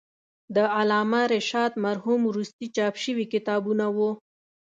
د علامه رشاد مرحوم وروستي چاپ شوي کتابونه و.